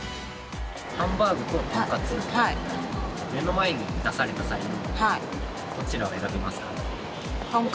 ハンバーグととんかつ目の前に出された際にどちらを選びますか？